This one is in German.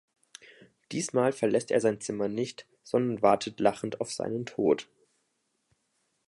Diesmal verlässt er sein Zimmer nicht, sondern wartet lachend auf seinen Tod.